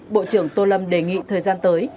bộ trưởng tô lâm đề nghị thời gian tới